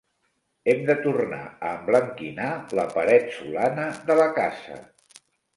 Hem de tornar a emblanquinar la paret solana de la casa.